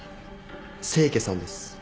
清家さんです。